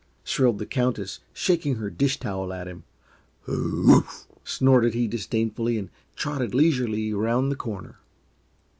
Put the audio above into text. shrilled the Countess, shaking her dish towel at him. "Who oo oof f," snorted he disdainfully and trotted leisurely round the corner.